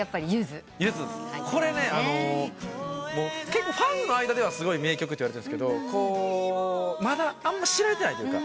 結構ファンの間ではすごい名曲といわれてるんですがまだあんま知られてないというか。